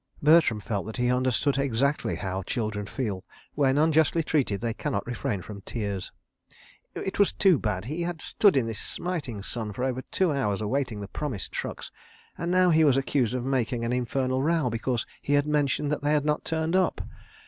Bertram felt that he understood exactly how children feel when, unjustly treated, they cannot refrain from tears. It was too bad. He had stood in this smiting sun for over two hours awaiting the promised trucks—and now he was accused of making an infernal row because he had mentioned that they had not turned up!